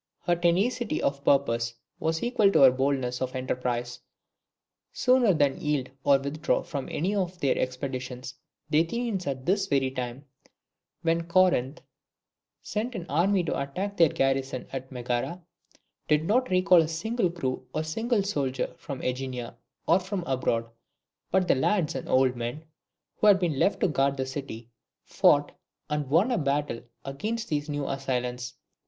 Her tenacity of purpose was equal to her boldness of enterprise. Sooner than yield or withdraw from any of their expeditions the Athenians at this very time, when Corinth sent an army to attack their garrison at Megara, did not recall a single crew or a single soldier from AEgina or from abroad; but the lads and old men, who had been left to guard the city, fought and won a battle against these new assailants.